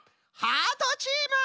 ハートチーム！